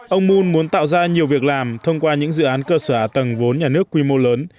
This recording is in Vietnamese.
ông moon muốn tạo ra nhiều việc làm thông qua những dự án cơ sở ả tầng vốn nhà nước quy mô lớn